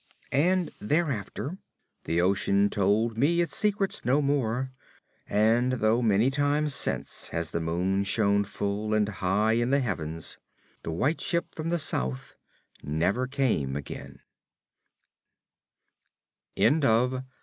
And thereafter the ocean told me its secrets no more; and though many times since has the moon shone full and high in the heavens, the White Ship from the South came never again.